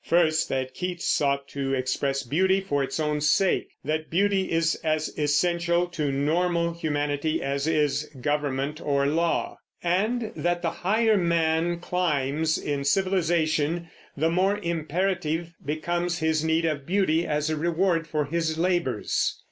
First, that Keats sought to express beauty for its own sake; that beauty is as essential to normal humanity as is government or law; and that the higher man climbs in civilization the more imperative becomes his need of beauty as a reward for his labors.